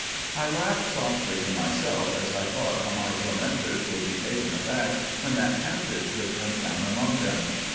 "I laughed softly to myself as I thought how my tormentors would be taken aback when that panther should come down among them.